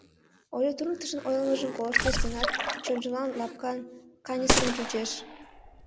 Олю туныктышын ойлымыжым колыштеш гынат, чонжылан лапкан, каньысырын чучеш.